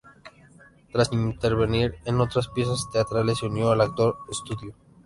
Tras intervenir en otras piezas teatrales se unió al Actor's Studio.